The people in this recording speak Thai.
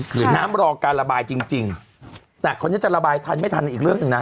หรือน้ำรอการระบายจริงจริงแต่คราวนี้จะระบายทันไม่ทันอีกเรื่องหนึ่งนะ